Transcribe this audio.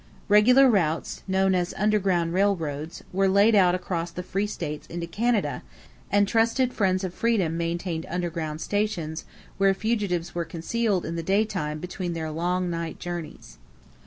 Regular routes, known as "underground railways," were laid out across the free states into Canada, and trusted friends of freedom maintained "underground stations" where fugitives were concealed in the daytime between their long night journeys.